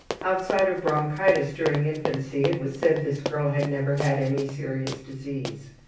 Outside of bronchitis during infancy it was said this girl had never had any serious disease.